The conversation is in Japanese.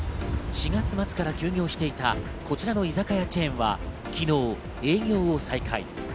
４月末から休業していたこちらの居酒屋チェーンは昨日、営業を再開。